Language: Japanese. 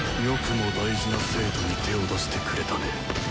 よくも大事な生徒に手を出してくれたね。